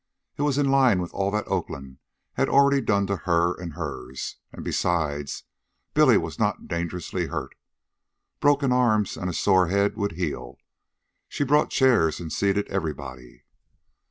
It was in line with all that Oakland had already done to her and hers, and, besides, Billy was not dangerously hurt. Broken arms and a sore head would heal. She brought chairs and seated everybody.